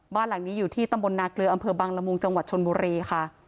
บ้านหลังนี้อยู่ที่ตำบลนาเกลืออำเภอบังละมุงจังหวัดชนบุรีค่ะ